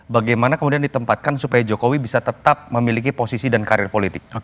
bagaimana kemudian ditempatkan supaya jokowi bisa tetap memiliki posisi dan karir politik